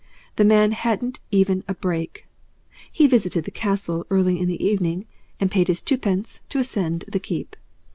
The man hadn't even a brake. He visited the castle early in the evening and paid his twopence to ascend the Keep.